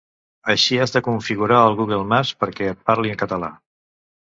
Així has de configurar el Google Maps perquè et parli en català